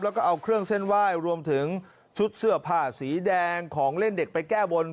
แล้วก็เอาเครื่องเส้นไหว้รวมถึงชุดเสื้อผ้าสีแดงของเล่นเด็กไปแก้บน